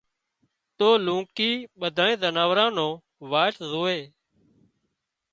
تو لونڪِي ٻڌانئين زناوارن نو واٽ زوئي